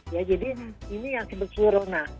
ya jadi ini yang disebut flurona